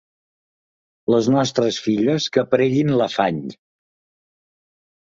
Les nostres filles que preguin l’afany.